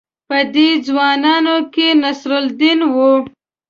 په دې ځوانانو کې نصرالدین وو.